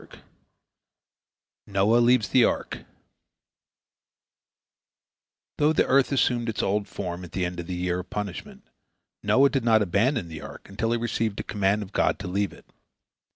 " NOAH LEAVES THE ARK Though the earth assumed its old form at the end of the year of punishment, Noah did not abandon the ark until he received the command of God to leave it.